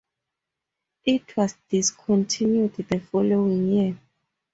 It was discontinued the following year.